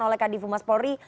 oleh kadif umar spori